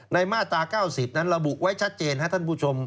มาตรา๙๐นั้นระบุไว้ชัดเจนครับท่านผู้ชม